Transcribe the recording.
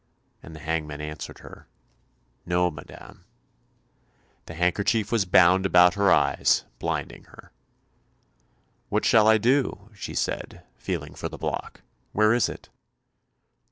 "And the hangman answered her, "'No, madame.'" The handkerchief was bound about her eyes, blinding her. "What shall I do?" she said, feeling for the block. "Where is it?"